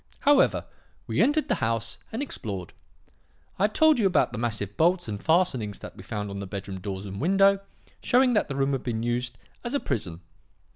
"However, we entered the house and explored. I have told you about the massive bolts and fastenings that we found on the bedroom doors and window, showing that the room had been used as a prison.